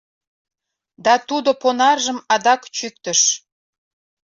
Да тудо понаржым адак чӱктыш.